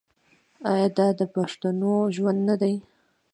آیا دا د پښتنو ژوند نه دی؟